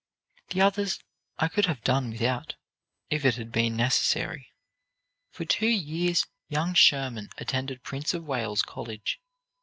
The others I could have done without, if it had been necessary." For two years young Schurman attended Prince of Wales College.